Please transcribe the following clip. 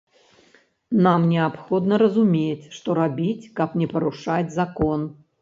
Нам неабходна разумець, што рабіць, каб не парушаць закон.